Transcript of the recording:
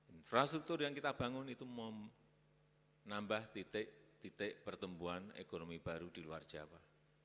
infrastruktur yang kita bangun itu menambah titik titik pertumbuhan ekonomi baru di luar jawa